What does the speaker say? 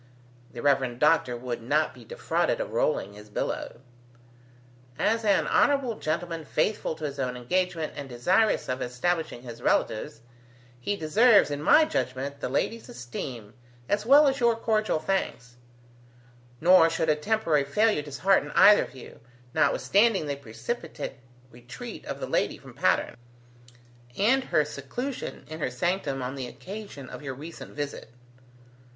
The Rev. Doctor would not be defrauded of rolling his billow. "As an honourable gentleman faithful to his own engagement and desirous of establishing his relatives, he deserves, in my judgement, the lady's esteem as well as your cordial thanks; nor should a temporary failure dishearten either of you, notwithstanding the precipitate retreat of the lady from Patterne, and her seclusion in her sanctum on the occasion of your recent visit."